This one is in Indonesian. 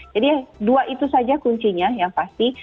jadi dua itu saja kuncinya yang pasti